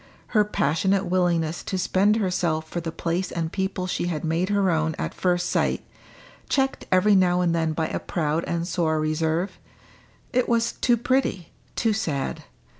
Her passionate willingness to spend herself for the place and people she had made her own at first sight, checked every now and then by a proud and sore reserve it was too pretty, too sad.